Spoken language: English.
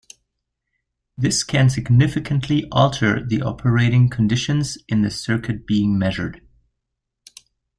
This can significantly alter the operating conditions in the circuit being measured.